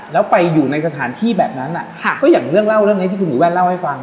แล้วไปอยู่ในสถานที่แบบนั้นก็อย่างเรื่องเล่าเรื่องนี้ที่คุณหนูแว่นเล่าให้ฟัง